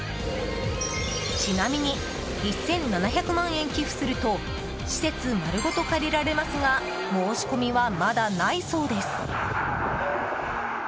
ちなみに１７００万円寄付すると施設まるごと借りられますが申し込みはまだないそうです。